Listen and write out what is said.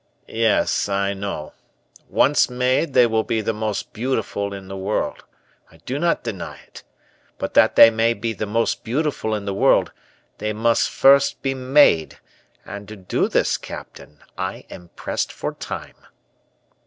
"Yes, I know. Once made they will be the most beautiful in the world, I do not deny it; but that they may be the most beautiful in the word, they must first be made; and to do this, captain, I am pressed for time."